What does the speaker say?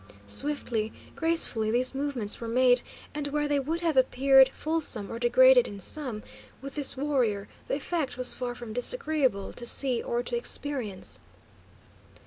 Swiftly, gracefully, these movements were made, and where they would have appeared fulsome or degraded in some, with this warrior the effect was far from disagreeable to see or to experience.